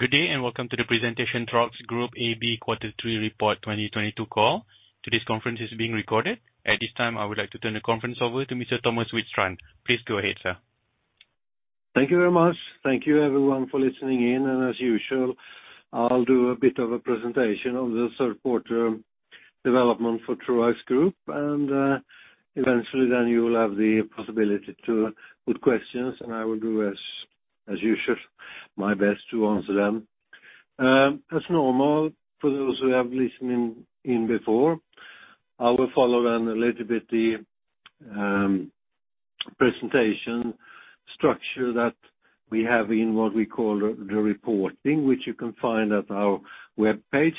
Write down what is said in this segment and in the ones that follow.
Good day and welcome to the presentation Troax Group AB Quarter Three Report 2022 call. Today's conference is being recorded. At this time, I would like to turn the conference over to Mr. Thomas Widstrand. Please go ahead, sir. Thank you very much. Thank you everyone for listening in, and as usual, I'll do a bit of a presentation on the Q3 development for Troax Group, and eventually then you will have the possibility to put questions, and I will do as usual my best to answer them. As normal, for those who have listened in before, I will follow then a little bit the presentation structure that we have in what we call the reporting, which you can find at our webpage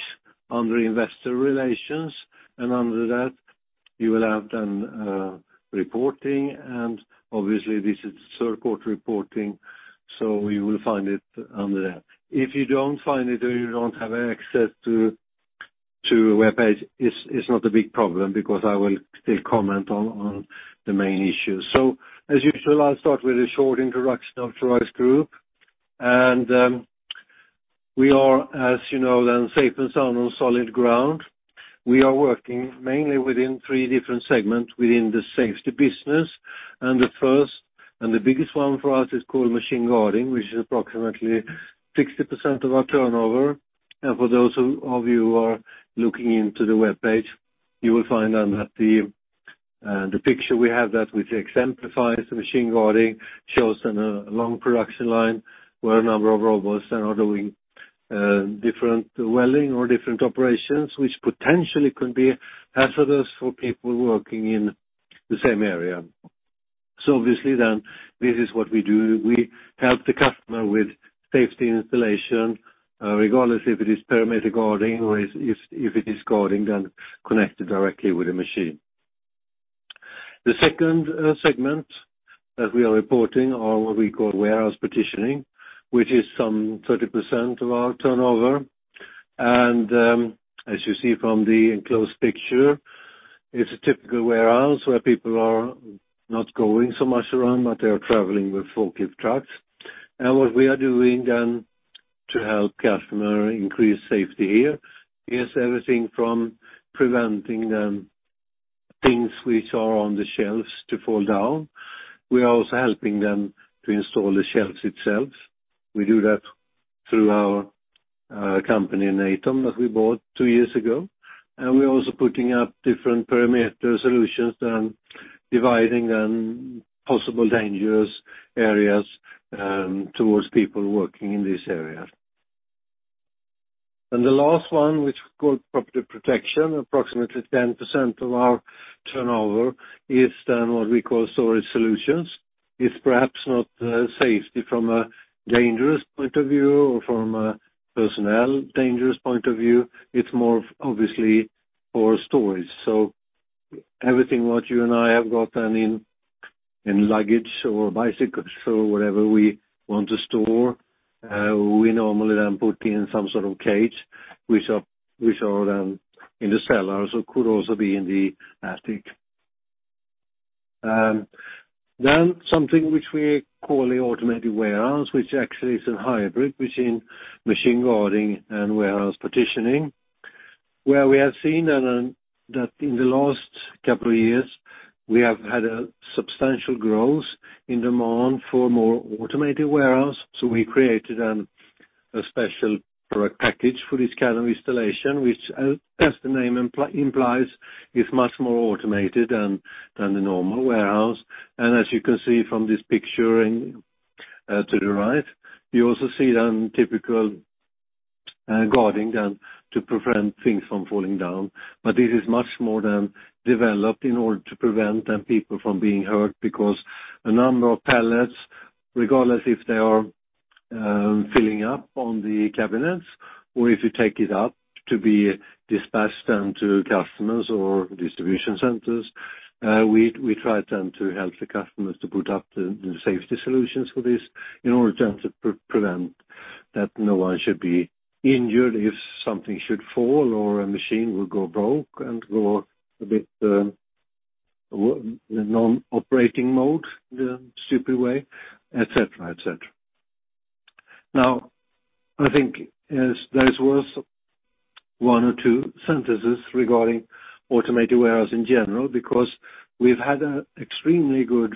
under Investor Relations. Under that, you will have then reporting, and obviously, this is Q3 reporting, so you will find it under there. If you don't find it or you don't have access to a webpage, it's not a big problem because I will still comment on the main issues. As usual, I'll start with a short introduction of Troax Group. We are, as you know then, safe and sound on solid ground. We are working mainly within three different segments within the safety business. The first and the biggest one for us is called machine guarding, which is approximately 60% of our turnover. For those of you who are looking into the webpage, you will find then that the picture we have that which exemplifies the machine guarding shows then a long production line where a number of robots are doing different welding or different operations, which potentially could be hazardous for people working in the same area. Obviously then, this is what we do. We help the customer with safety installation, regardless if it is perimeter guarding or if it is guarding, then connected directly with the machine. The second segment that we are reporting are what we call warehouse partitioning, which is some 30% of our turnover. As you see from the enclosed picture, it's a typical warehouse where people are not going so much around, but they are traveling with fork lift trucks. What we are doing then to help customer increase safety here is everything from preventing things which are on the shelves to fall down. We are also helping them to install the shelves itself. We do that through our company in Natom that we bought two years ago. We're also putting up different perimeter solutions and dividing then possible dangerous areas towards people working in this area. The last one, which is called property protection, approximately 10% of our turnover is then what we call storage solutions. It's perhaps not safety from a dangerous point of view or from a personnel dangerous point of view. It's more of obviously for storage. So everything what you and I have got then in luggage or bicycles or whatever we want to store, we normally then put in some sort of cage which are then in the cellar. So could also be in the attic. Something which we call the automated warehouse, which actually is a hybrid between machine guarding and warehouse partitioning. Where we have seen then that in the last couple years, we have had a substantial growth in demand for more automated warehouse. We created then a special product package for this kind of installation, which, as the name implies, is much more automated than the normal warehouse. As you can see from this picture in to the right, you also see then typical guarding then to prevent things from falling down. This is much more than developed in order to prevent people from being hurt because a number of pallets, regardless if they are filling up on the cabinets or if you take it up to be dispatched then to customers or distribution centers, we try then to help the customers to put up the safety solutions for this in order then to prevent that no one should be injured if something should fall or a machine will go broke and go a bit non-operating mode, the stupid way, et cetera. Now, I think as that is worth one or two sentences regarding automated warehouse in general, because we've had an extremely good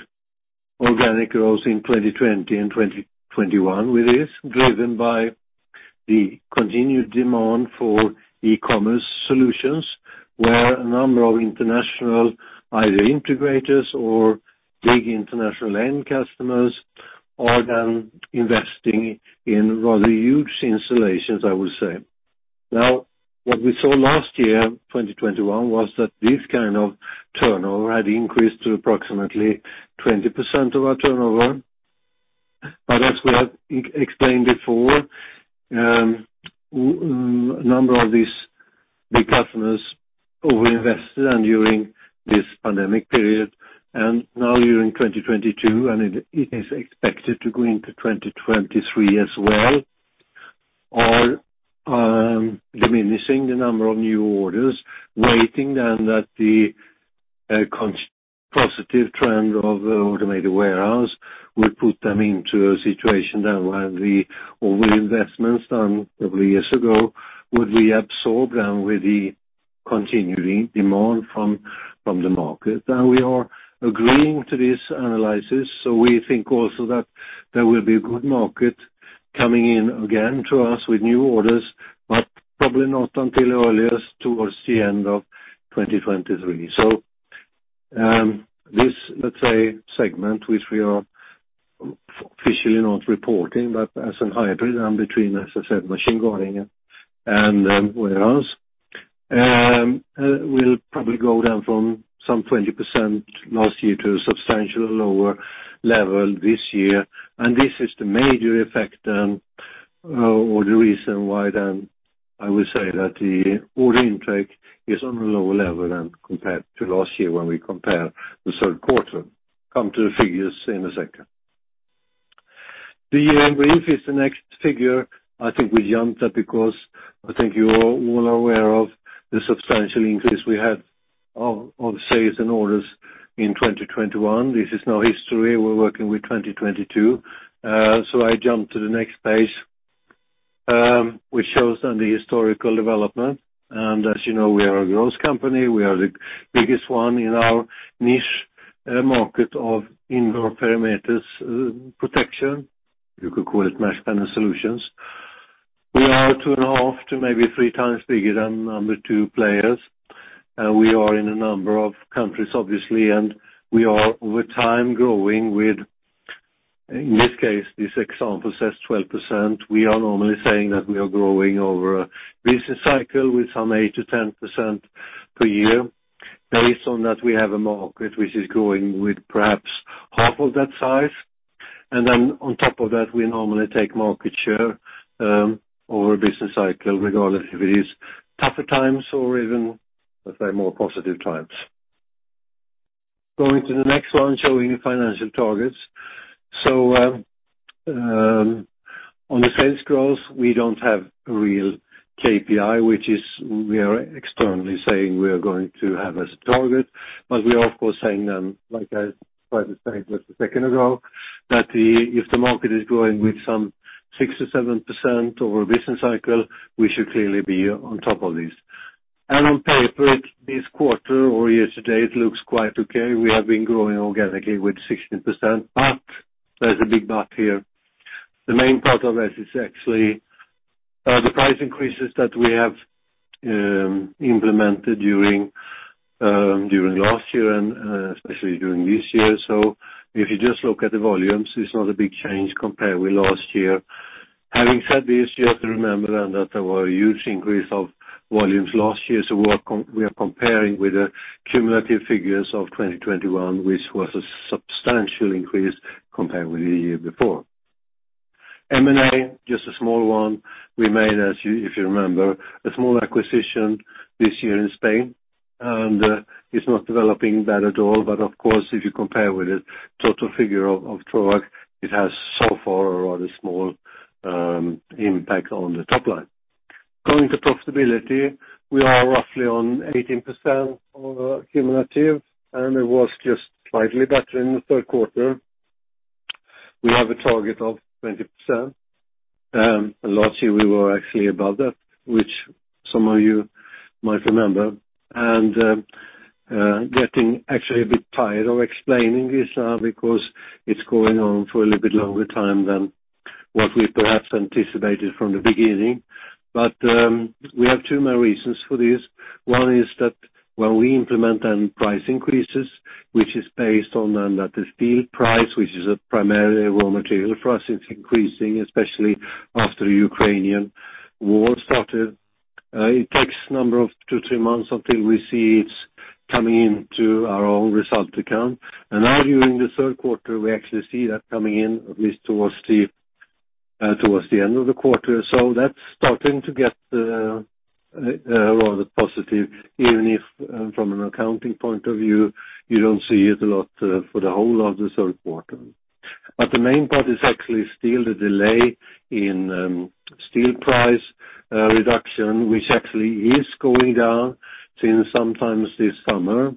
organic growth in 2020 and 2021 with this, driven by the continued demand for e-commerce solutions, where a number of international, either integrators or big international end customers are then investing in rather huge installations, I would say. Now, what we saw last year, 2021, was that this kind of turnover had increased to approximately 20% of our turnover. As we have explained before, a number of these big customers over-invested and during this pandemic period. Now we're in 2022, and it is expected to go into 2023 as well, diminishing the number of new orders, waiting, and that the continued positive trend of the automated warehouse will put them into a situation that when the over-investments done several years ago would be absorbed, and with the continuing demand from the market. We are agreeing to this analysis, so we think also that there will be a good market coming in again to us with new orders, but probably not until at the earliest towards the end of 2023. This, let's say, segment, which we are officially not reporting, but as a hybrid between, as I said, machine guarding and warehouse, will probably go down from some 20% last year to a substantially lower level this year. This is the major effect then, or the reason why then I will say that the order intake is on a lower level than compared to last year when we compare the Q3. Come to the figures in a second. The brief is the next figure. I think we jumped that because I think you all are aware of the substantial increase we had on sales and orders in 2021. This is now history. We're working with 2022. So I jump to the next page, which shows then the historical development. As you know, we are a growth company. We are the biggest one in our niche market of indoor perimeter protection. You could call it mesh panel solutions. We are 2.5 to maybe 3x bigger than number two players. We are in a number of countries, obviously, and we are over time growing with, in this case, this example says 12%. We are normally saying that we are growing over a business cycle with some 8%-10% per year. Based on that, we have a market which is growing with perhaps half of that size. We normally take market share over a business cycle, regardless if it is tougher times or even, let's say, more positive times. Going to the next one, showing financial targets. On the sales growth, we don't have a real KPI, which is we are externally saying we are going to have as a target. We are of course saying then, like I tried to say just a second ago, that if the market is growing with some 6%-7% over a business cycle, we should clearly be on top of this. On paper, this quarter or year to date looks quite okay. We have been growing organically with 16% but there's a big but here. The main part of this is actually the price increases that we have implemented during last year and especially during this year. If you just look at the volumes, it's not a big change compared with last year. Having said this, you have to remember then that there were a huge increase of volumes last year, so we are comparing with the cumulative figures of 2021, which was a substantial increase compared with the year before. M&A, just a small one. We made as you, if you remember, a small acquisition this year in Spain and it's not developing bad at all. Of course, if you compare with the total figure of Troax, it has so far a rather small impact on the top line. Coming to profitability, we are roughly on 18% for cumulative and it was just slightly better in the Q3. We have a target of 20%, last year we were actually above that, which some of you might remember. Getting actually a bit tired of explaining this, because it's going on for a little bit longer time than what we perhaps anticipated from the beginning. We have two main reasons for this. One is that when we implement then price increases, which is based on then that the steel price, which is a primarily raw material for us. It's increasing, especially after Ukrainian war started. It takes number of two, three months until we see it's coming into our own result account. Now during the Q3, we actually see that coming in at least towards the end of the quarter. That's starting to get rather positive, even if from an accounting point of view, you don't see it a lot for the whole of the Q3. The main part is actually still the delay in steel price reduction, which actually is going down since sometime this summer.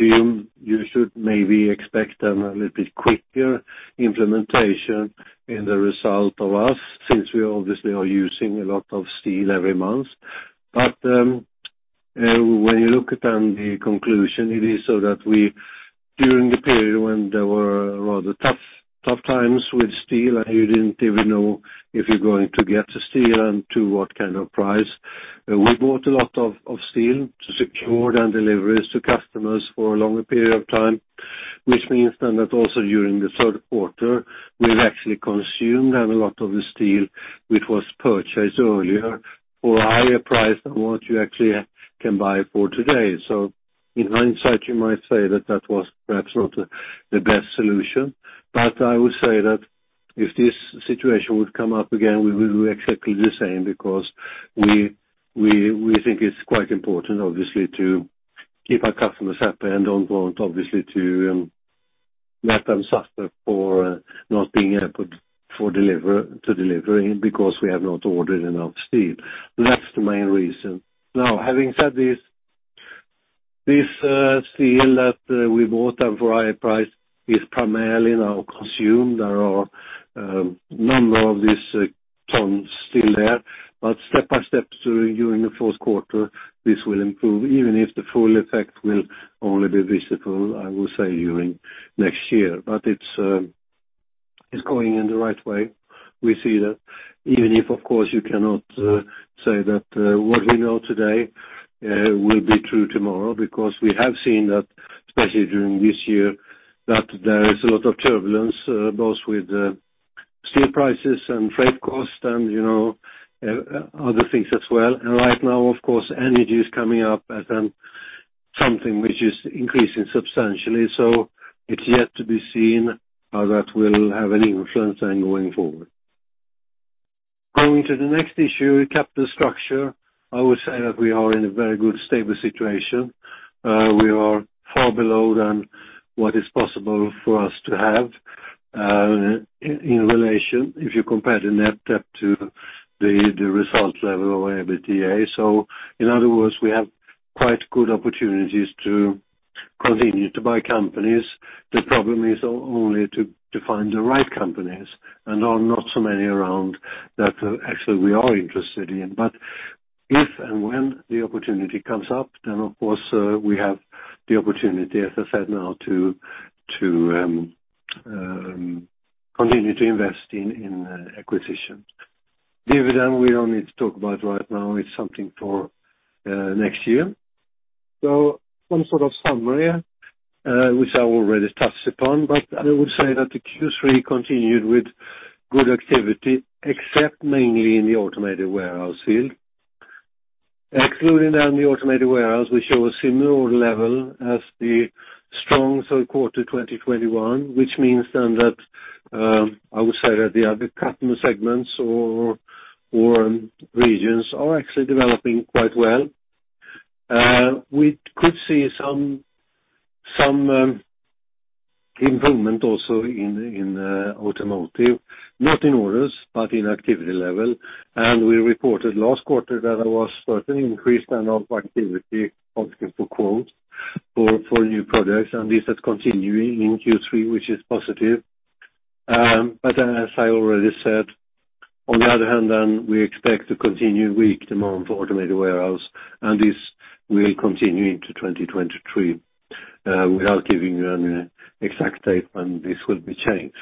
You should maybe expect a little bit quicker implementation in the results for us since we obviously are using a lot of steel every month. When you look at the conclusion, it is so that we, during the period when there were rather tough times with steel and you didn't even know if you're going to get the steel and to what kind of price, we bought a lot of steel to secure deliveries to customers for a longer period of time, which means that also during the Q3, we've actually consumed a lot of the steel which was purchased earlier for a higher price than what you actually can buy for today. In hindsight, you might say that that was perhaps not the best solution. I would say that if this situation would come up again, we will do exactly the same because we think it's quite important obviously to keep our customers happy and don't want our customers to suffer for not being able to deliver because we have not ordered enough steel. That's the main reason, now, having said this steel that we bought at very high prices is primarily now consumed. There are none of these tons still there, but step by step during the Q4, this will improve, even if the full effect will only be visible, I will say, during next year. It's going in the right way. We see that even if, of course, you cannot say that what we know today will be true tomorrow because we have seen that especially during this year that there is a lot of turbulence both with the steel prices and freight costs and, you know, other things as well. Right now, of course, energy is coming up as something which is increasing substantially. It's yet to be seen how that will have an influence then going forward. Going to the next issue, capital structure. I would say that we are in a very good stable situation. We are far below than what is possible for us to have in relation if you compare the net debt to the result level of our EBITDA. In other words, we have quite good opportunities to continue to buy companies. The problem is only to find the right companies and are not so many around that actually we are interested in. If and when the opportunity comes up, then of course we have the opportunity as I said now to continue to invest in acquisitions. Dividend we don't need to talk about right now, it's something for next year. Some sort of summary which I already touched upon, but I would say that the Q3 continued with good activity, except mainly in the automated warehouse field. Excluding then the automated warehouse, we show a similar level as the strong Q3 2021, which means then that I would say that the other customer segments or regions are actually developing quite well. We could see some improvement also in automotive, not in orders but in activity level. We reported last quarter that there was certain increase then of activity asking for quotes for new projects and this is continuing in Q3, which is positive. As I already said, on the other hand, we expect to continue weak demand for automated warehouse and this will continue into 2023, without giving you an exact date when this will be changed.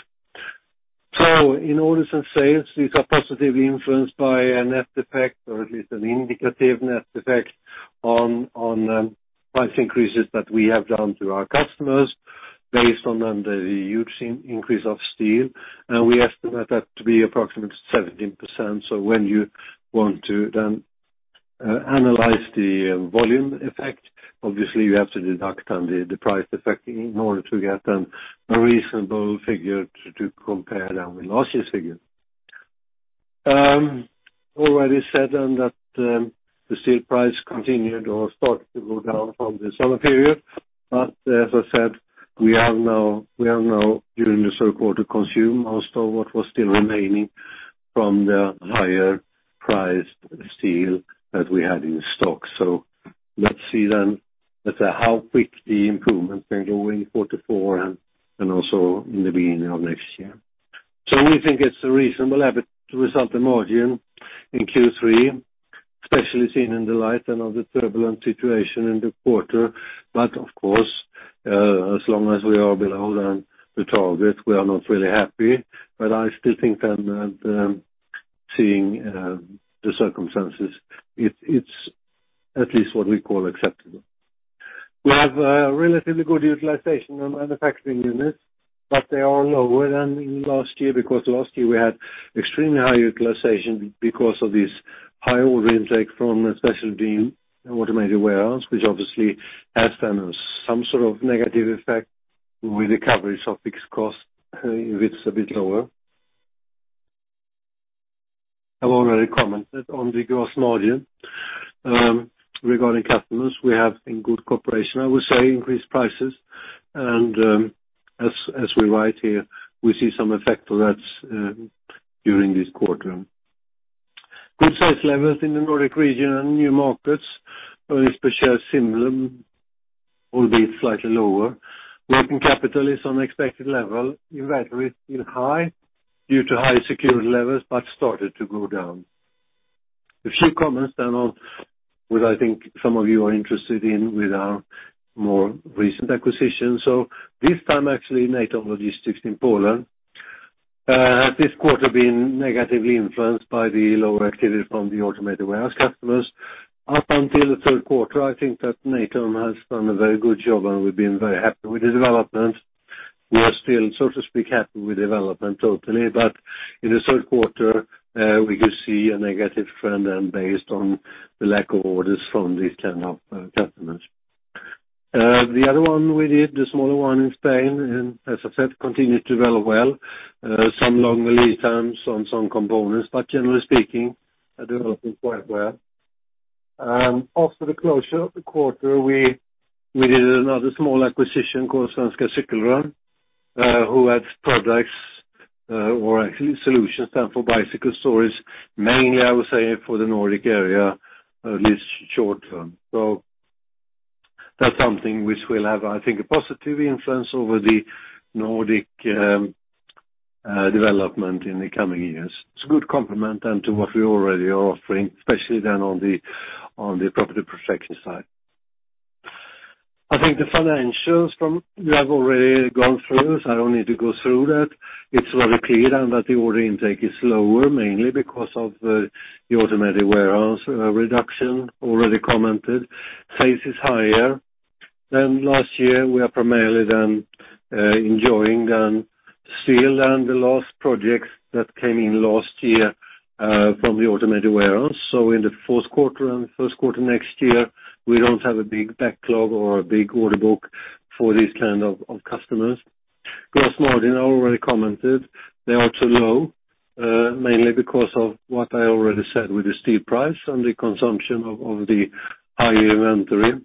In orders and sales, these are positively influenced by a net effect or at least an indicative net effect on price increases that we have done to our customers based on then the huge increase of steel. We estimate that to be approximately 17%. When you want to then analyze the volume effect, obviously you have to deduct the price effect in order to get then a reasonable figure to compare then with last year's figure. Already said then that the steel price continued or started to go down from the summer period. As I said, we have now during the Q3 consumed also what was still remaining from the higher priced steel that we had in stock. Let's see then as to how quick the improvement can go in quarter four and also in the beginning of next year. We think it's a reasonable EBIT result and margin in Q3, especially seen in the light of the turbulent situation in the quarter. Of course, as long as we are below the target we are not really happy. I still think that, seeing the circumstances it's at least what we call acceptable. We have a relatively good utilization on manufacturing units, but they are lower than in last year because last year we had extremely high utilization because of this high order intake from... Especially in automated warehouse which obviously has some sort of negative effect with recovery of fixed cost if it's a bit lower. I've already commented on the gross margin. Regarding customers, we have in good cooperation I would say increased prices and... As we write here, we see some effect of that, during this quarter. Good sales levels in the Nordic region and new markets, especially Simrlum, albeit slightly lower. Working capital is on expected level. Inventory is still high due to high security levels but started to go down. A few comments then on what I think some of you are interested in with our more recent acquisitions. This time actually Natom Logistic in Poland, at this quarter been negatively influenced by the lower activity from the automated warehouse customers. Up until the Q3, I think that Natom has done a very good job and we've been very happy with the development. We are still, so to speak, happy with development totally. In the Q3, we could see a negative trend then based on the lack of orders from these kind of customers. The other one we did, the smaller one in Spain, and as I said, continued to develop well. Some longer lead times on some components, but generally speaking, are developing quite well. After the closure of the quarter, we did another small acquisition called Svenska Cykelrum, who had products, or actually solutions done for bicycle storage, mainly, I would say for the Nordic area, at least short-term. That's something which will have, I think, a positive influence over the Nordic development in the coming years. It's a good complement then to what we already are offering, especially then on the property protection side. I think the financials we have already gone through, so I don't need to go through that. It's very clear and that the order intake is lower, mainly because of the automated warehouse reduction already commented. Sales is higher than last year. We are primarily then enjoying steel and the last projects that came in last year from the automated warehouse. In the Q4 and Q1 next year, we don't have a big backlog or a big order book for these kind of customers. Gross margin, I already commented. They are too low mainly because of what I already said with the steel price and the consumption of the higher inventory.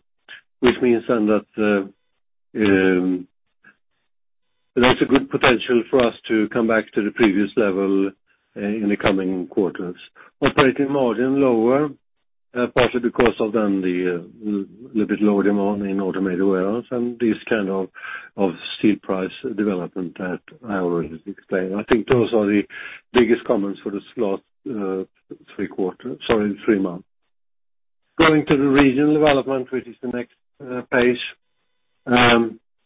Which means then that there's a good potential for us to come back to the previous level in the coming quarters. Operating margin lower partly because of a little bit lower demand in automated warehouse and this kind of steel price development that I already explained. I think those are the biggest comments for this last three months. Going to the regional development, which is the next page,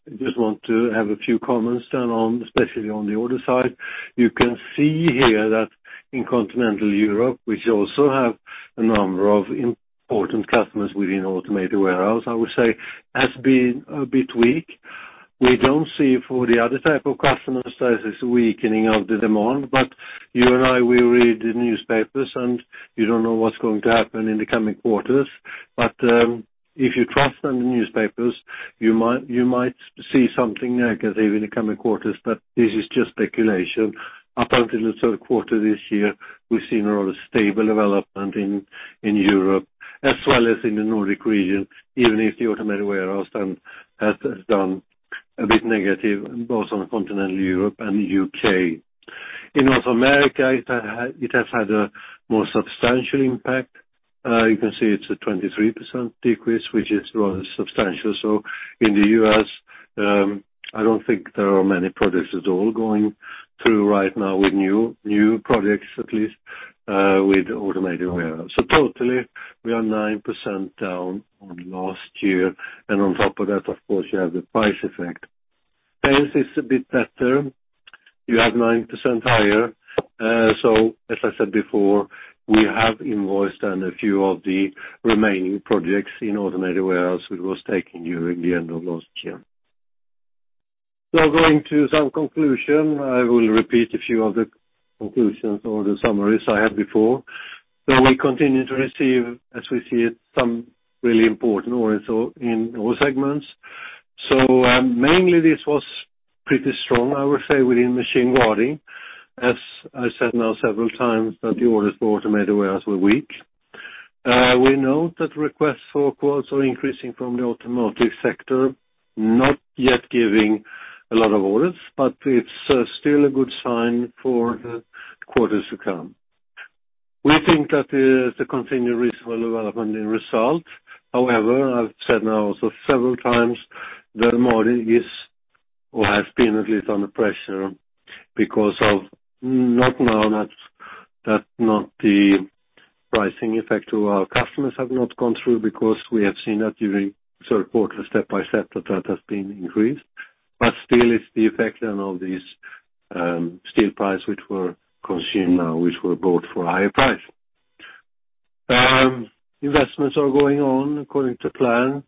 I just want to have a few comments then on, especially on the order side. You can see here that in continental Europe, which also have a number of important customers within automated warehouse I would say has been a bit weak. We don't see for the other type of customers there is a weakening of the demand, but you and I we read the newspapers, and you don't know what's going to happen in the coming quarters. If you trust on the newspapers, you might see something negative in the coming quarters, but this is just speculation. Up until the Q3 this year, we've seen a rather stable development in Europe as well as in the Nordic region, even if the automated warehouse then has done a bit negative, both on continental Europe and U.K. In North America, it has had a more substantial impact. You can see it's a 23% decrease, which is rather substantial. In the U.S., I don't think there are many projects at all going through right now with new projects, at least, with automated warehouse. Totally, we are 9% down on last year, and on top of that, of course, you have the price effect. Sales is a bit better. You have 9% higher. As I said before, we have invoiced on a few of the remaining projects in automated warehouse, which was taken during the end of last year. Going to some conclusion, I will repeat a few of the conclusions or the summaries I had before. We continue to receive, as we see it, some really important orders so in all segments. Mainly this was pretty strong, I would say, within machine guarding. As I said now several times, that the orders for automated warehouse were weak. We note that requests for quotes are increasing from the automotive sector, not yet giving a lot of orders, but it's still a good sign for the quarters to come. We think that is a continued reasonable development in result. However, I've said now also several times, the margin is or has been at least under pressure because the pricing effect to our customers have not gone through because we have seen that during Q3 step by step that has been increased. Still it's the effect then of these steel price which were consumed now, which were bought for a higher price. Investments are going on according to plan.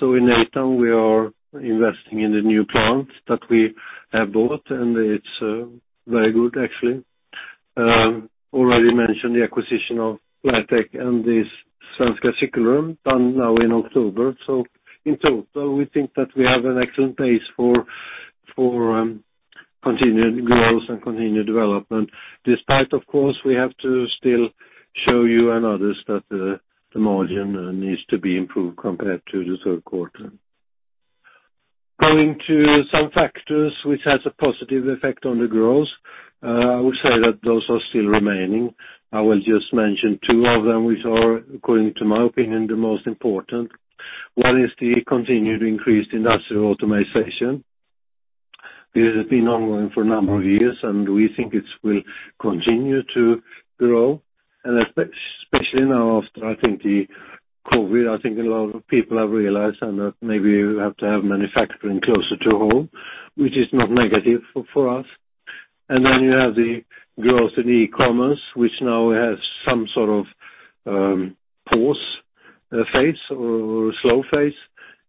In Natom we are investing in the new plant that we have bought, and it's very good actually. Already mentioned the acquisition of Claitec and the Svenska Cykelrum done now in October. In total, we think that we have an excellent base for continued growth and continued development. Despite, of course, we have to still show you and others that the margin needs to be improved compared to the Q3. Going to some factors which has a positive effect on the growth, I would say that those are still remaining. I will just mention two of them which are, according to my opinion, the most important. One is the continued increased industrial automation. This has been ongoing for a number of years, and we think it will continue to grow and especially now after I think the COVID. I think a lot of people have realized and that maybe you have to have manufacturing closer to home, which is not negative for us. Then you have the growth in e-commerce, which now has some sort of pause phase or slow phase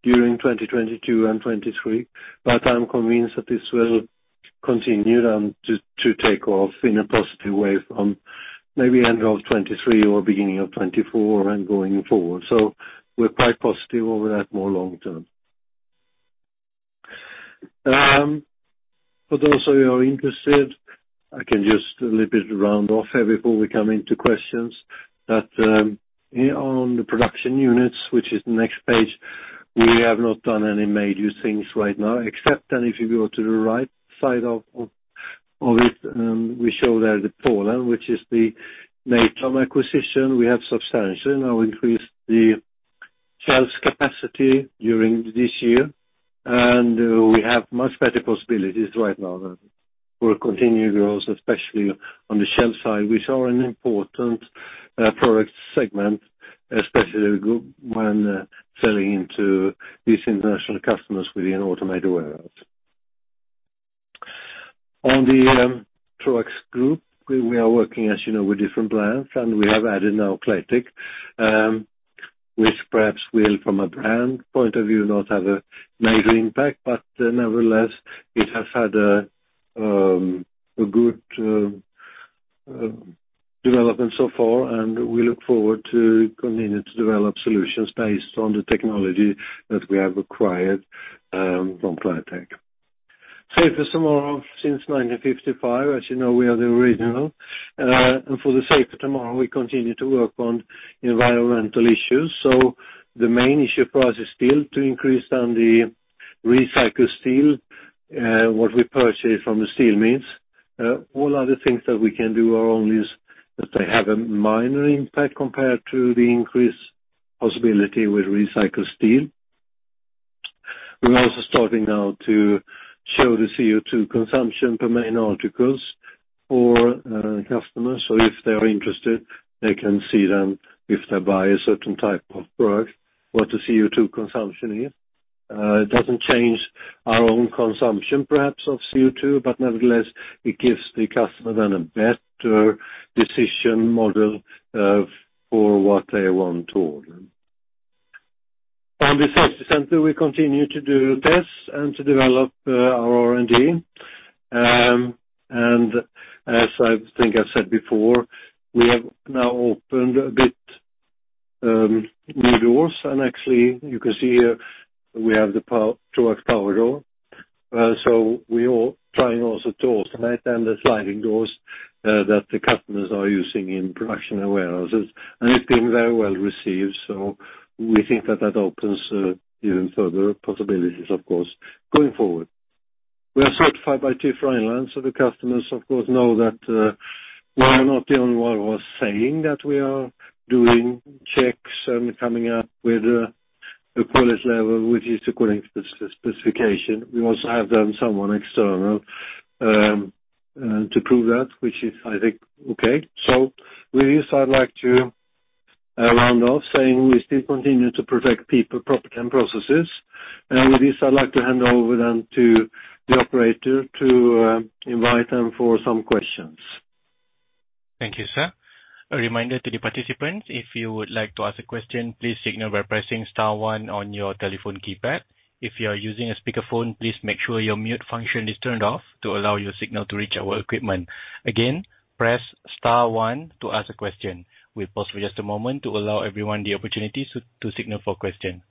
during 2022 and 2023. I'm convinced that this will continue to take off in a positive way from maybe end of 2023 or beginning of 2024 and going forward. We're quite positive over that more long-term. If you're interested, I can just a little bit round off here before we come to questions. On the production units which is next page, we have not done any major things right now except, and if you go to the right side of it, we show there Poland, which is the Natom acquisition. We have substantially now increased the sales capacity during this year. We have much better possibilities right now to continue growth, especially on the shelf side, which are an important product segment, especially good when selling into these international customers with an automated warehouse. On the Troax Group, we are working, as you know, with different brands, and we have added now Claitec, which perhaps will from a brand point of view not have a major impact, but nevertheless it has had a good development so far, and we look forward to continuing to develop solutions based on the technology that we have acquired from Claitec. Safe as tomorrow since 1955, as you know, we are the original. For the safe tomorrow, we continue to work on environmental issues. The main issue for us is still to increase on the recycled steel, what we purchase from the steel mills. All other things that we can do our own is that they have a minor impact compared to the increased possibility with recycled steel. We're also starting now to show the CO2 consumption per main articles for customers. If they are interested, they can see them if they buy a certain type of product, what the CO2 consumption is. It doesn't change our own consumption perhaps of CO2, but nevertheless it gives the customer then a better decision model for what they want to order. On the safety center, we continue to do tests and to develop our R&D. As I think I said before, we have now opened a bit new doors and actually you can see here we have the Troax Power Door. We all trying also to automate the sliding doors that the customers are using in production and warehouses, and it's been very well received. We think that that opens even further possibilities of course going forward. We are certified by TÜV Rheinland, so the customers of course know that we are not the only one who are saying that we are doing checks and coming up with a quality level which is according to the specification. We also have done some external to prove that which is I think okay. With this I'd like to round off saying we still continue to protect people, property and processes. With this I'd like to hand over then to the operator to invite them for some questions. Thank you, sir. A reminder to the participants, if you would like to ask a question, please signal by pressing star one on your telephone keypad. If you are using a speaker phone, please make sure your mute function is turned off to allow your signal to reach our equipment. Again, press star one to ask a question. We pause for just a moment to allow everyone the opportunity to signal for question.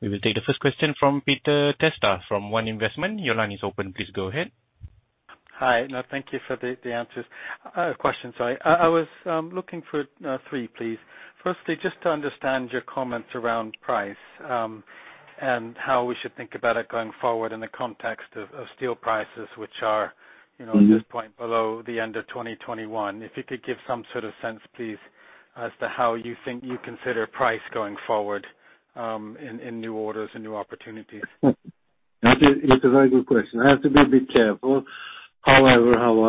We will take the first question from Peter Testa from One Investments. Your line is open. Please go ahead. Hi. No, thank you for the answers. I have a question, sorry. I was looking for three please. Firstly, just to understand your comments around price, and how we should think about it going forward in the context of steel prices, which are, you know. Mm-hmm. At this point below the end of 2021. If you could give some sort of sense please, as to how you think you consider price going forward, in new orders and new opportunities. It's a very good question. I have to be a bit careful, however, how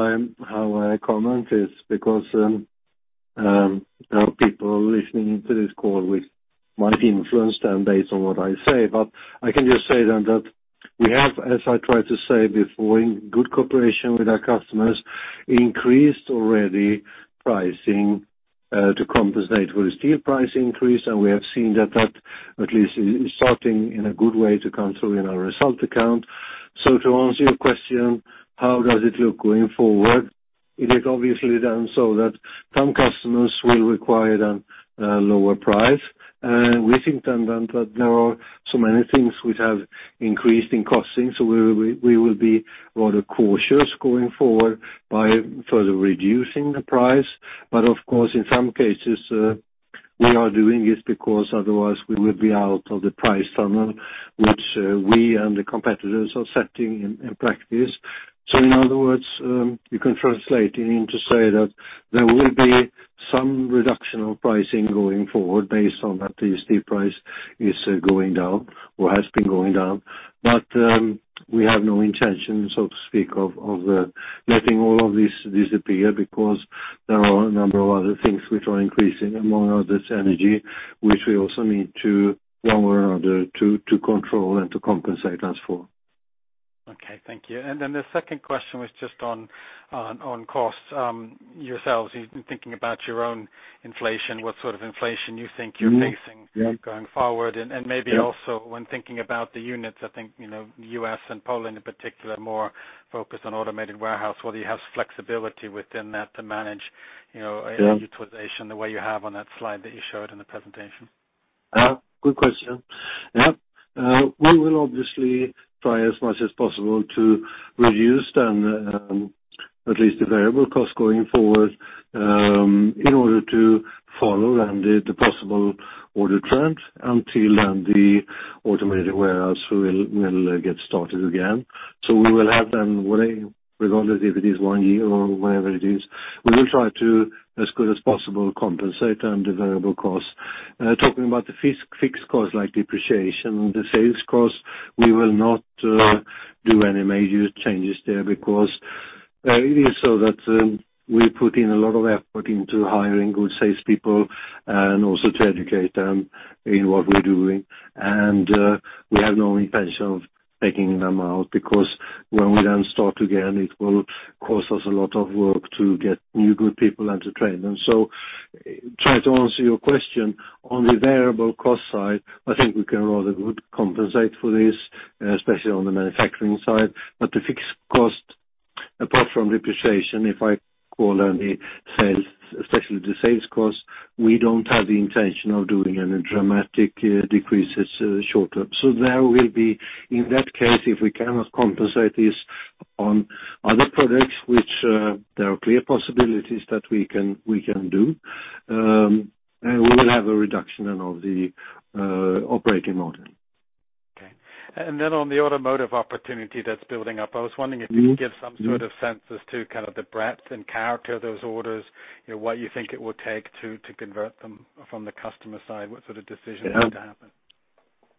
I comment this because there are people listening to this call which might influence them based on what I say. I can just say then that we have, as I tried to say before in good cooperation with our customers, increased already pricing to compensate for the steel price increase. We have seen that at least is starting in a good way to come through in our result account. To answer your question, how does it look going forward? It is obviously done so that some customers will require then a lower price. We think then that there are so many things which have increased in costing. We will be rather cautious going forward by further reducing the price. Of course, in some cases, we are doing this because otherwise we will be out of the price tunnel, which, we and the competitors are setting in practice. In other words, you can translate it into say that there will be some reduction of pricing going forward based on that the steel price is going down or has been going down. We have no intention so to speak of letting all of this disappear because there are a number of other things which are increasing among others energy, which we also need to one way or another to control and to compensate us for. Okay. Thank you. The second question was just on costs. Yourselves, you've been thinking about your own inflation, what sort of inflation you think you're facing. Mm-hmm. Yep. Going forward. Yeah. Maybe also when thinking about the units, I think, you know, U.S. and Poland in particular are more focused on automated warehouse, whether you have flexibility within that to manage, you know- Yeah. Utilization the way you have on that slide that you showed in the presentation. Good question. We will obviously try as much as possible to reduce them, at least the variable cost going forward, in order to follow the possible order trend until then the automated warehouse will get started again. We will have them running regardless if it is one year or whenever it is. We will try as good as possible to compensate on the variable costs. Talking about the fixed costs like depreciation, the sales cost, we will not do any major changes there because it is so that we put in a lot of effort into hiring good salespeople and also to educate them in what we're doing. We have no intention of taking them out because when we then start again, it will cost us a lot of work to get new good people and to train them. To try to answer your question, on the variable cost side, I think we can rather good compensate for this, especially on the manufacturing side. The fixed cost apart from depreciation, if I call on the sales, especially the sales cost, we don't have the intention of doing any dramatic decreases short-term. There will be, in that case, if we cannot compensate this on other products, which there are clear possibilities that we can, we can do, we will have a reduction then of the operating model. Okay. On the automotive opportunity that's building up, I was wondering if you could give some sort of sense as to kind of the breadth and character of those orders. You know, what you think it will take to convert them from the customer side? What sort of decisions need to happen?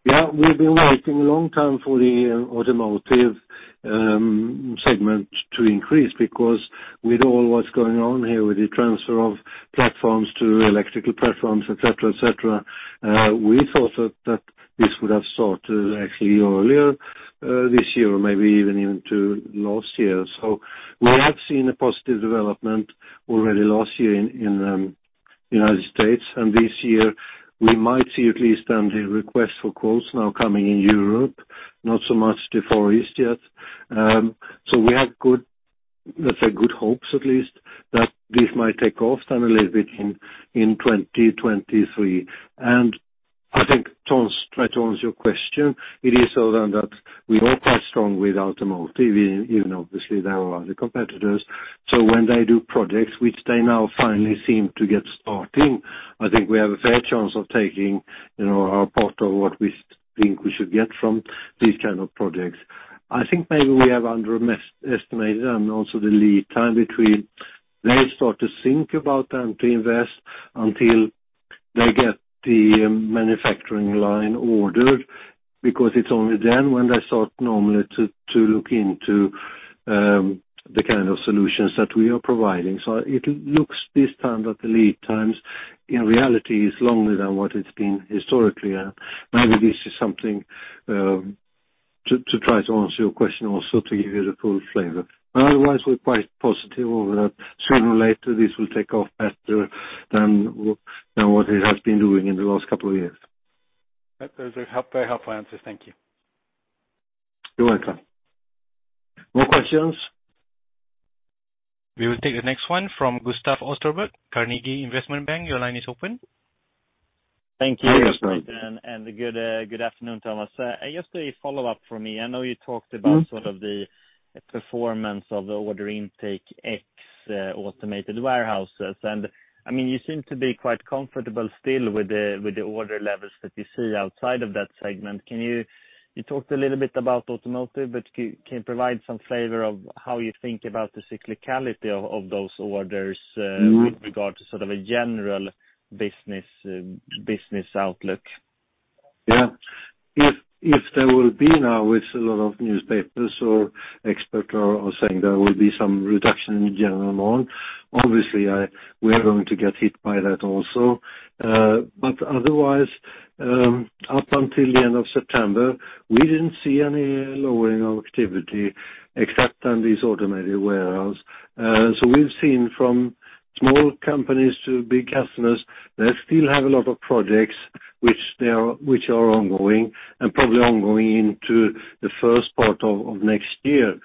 Yeah. We've been waiting a long time for the automotive segment to increase because with all what's going on here, with the transfer of platforms to electrical platforms, et cetera, et cetera, we thought that this would have started actually earlier this year or maybe even into last year. We have seen a positive development already last year in United States, and this year we might see at least on the request for quotes now coming in Europe, not so much the Far East yet. We have good, let's say good hopes at least that this might take off then a little bit in 2023. I think to try to answer your question, it is so then that we are quite strong with automotive even obviously there are other competitors. When they do projects which they now finally seem to get starting, I think we have a fair chance of taking, you know, our part of what we think we should get from these kind of projects. I think maybe we have underestimated and also the lead time between they start to think about then to invest until they get the manufacturing line ordered, because it's only then when they start normally to look into the kind of solutions that we are providing. It looks this time that the lead times in reality is longer than what it's been historically. Maybe this is something to try to answer your question, also to give you the full flavor. Otherwise we're quite positive over that sooner or later this will take off better than what it has been doing in the last couple of years. Those are very helpful answers. Thank you. You're welcome. More questions? We will take the next one from Gustav Österberg, Carnegie Investment Bank. Your line is open. Hi, Gustav. Thank you. Good afternoon, Thomas. Just a follow-up from me. I know you talked about. Mm-hmm. Sort of the performance of the order intake ex automated warehouses. I mean, you seem to be quite comfortable still with the order levels that you see outside of that segment. You talked a little bit about automotive, but can you provide some flavor of how you think about the cyclicality of those orders. Mm. With regard to sort of a general business outlook? Yeah. If there will be now with a lot of newspapers or experts are saying there will be some reduction in general mood, obviously, we are going to get hit by that also. Otherwise, up until the end of September, we didn't see any lowering of activity except on this automated warehouse. So we've seen from small companies to big customers, they still have a lot of projects which are ongoing and probably ongoing into the first part of next year.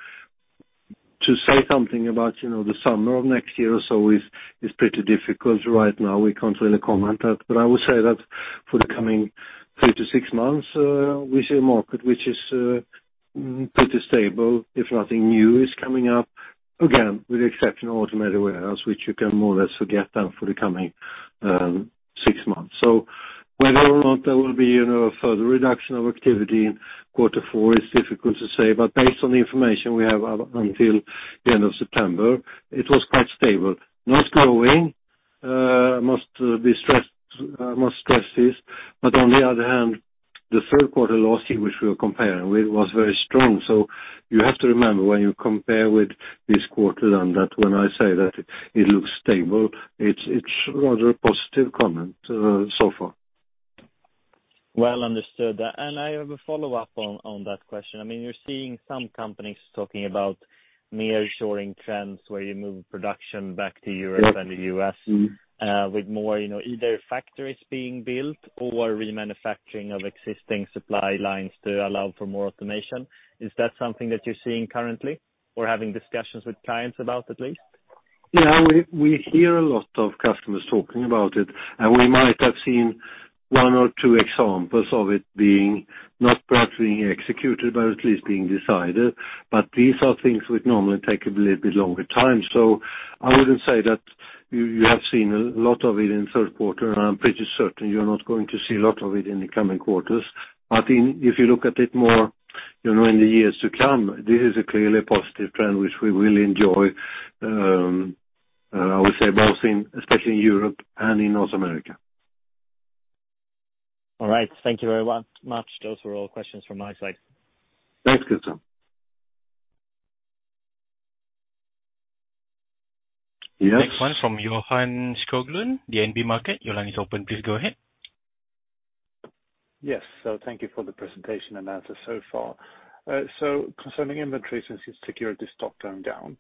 To say something about, you know, the summer of next year or so is pretty difficult right now. We can't really comment that. I will say that for the coming three to six months, we see a market which is pretty stable if nothing new is coming up. Again, with the exception of automated warehouse, which you can more or less forget then for the coming six months. Whether or not there will be, you know, a further reduction of activity in quarter four, it's difficult to say. Based on the information we have up until the end of September, it was quite stable. Not growing, must be stressed but on the other hand, the Q3 last year, which we are comparing with, was very strong. You have to remember when you compare with this quarter, then, that when I say that it looks stable, it's rather a positive comment so far. Well understood. I have a follow-up on that question. I mean, you're seeing some companies talking about nearshoring trends, where you move production back to Europe. Yeah. The U.S. Mm. With more, you know, either factories being built or remanufacturing of existing supply lines to allow for more automation. Is that something that you're seeing currently or having discussions with clients about at least? Yeah, we hear a lot of customers talking about it, and we might have seen one or two examples of it being not practically executed, but at least being decided. These are things which normally take a little bit longer time. I wouldn't say that you have seen a lot of it in Q3. I'm pretty certain you're not going to see a lot of it in the coming quarters. If you look at it more, you know, in the years to come, this is a clearly positive trend which we will enjoy. I would say both especially in Europe and in North America. All right. Thank you very much. Those were all questions from my side. Thanks, Gustav. Yes? Next one from Johan Skoglund, DNB Markets. Your line is open. Please go ahead. Yes. Thank you for the presentation and answers so far. Concerning inventory, since you've secured the stock turning down,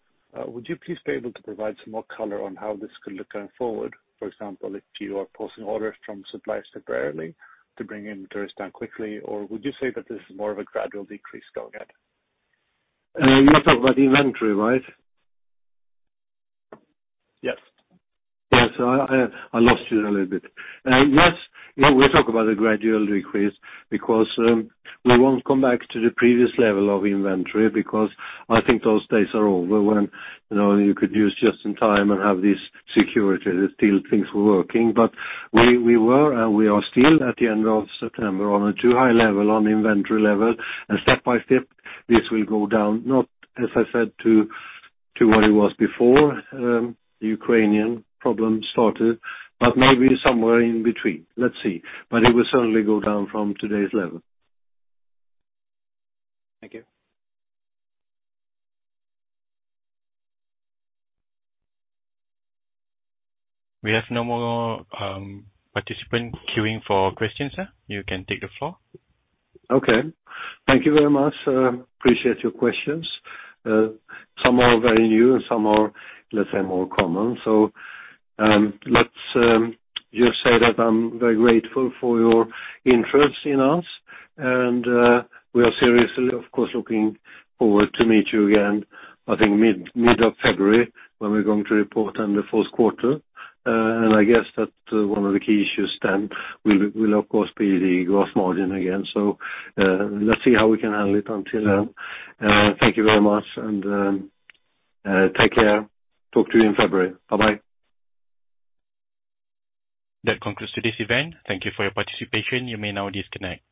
would you please be able to provide some more color on how this could look going forward? For example, if you are posting orders from suppliers separately to bring inventories down quickly? Or would you say that this is more of a gradual decrease going ahead? You are talking about inventory, right? Yes. Yes. I lost you a little bit. Yes. Yeah, we'll talk about a gradual decrease because we won't come back to the previous level of inventory because I think those days are over when, you know, you could use just in time and have this security that still things were working. We were and we are still, at the end of September on a too high level on inventory level. Step by step, this will go down, not as I said, to what it was before the Ukrainian problem started, but maybe somewhere in between. Let's see. It will certainly go down from today's level. Thank you. We have no more participants queuing for questions, sir. You can take the floor. Okay. Thank you very much. Appreciate your questions. Some are very new and some are, let's say, more common. Let's just say that I'm very grateful for your interest in us, and we are seriously, of course, looking forward to meet you again, I think mid of February when we're going to report on the Q4. I guess that one of the key issues then will of course be the gross margin again. Let's see how we can handle it until then. Thank you very much and take care. Talk to you in February. Bye-bye. That concludes today's event. Thank you for your participation. You may now disconnect.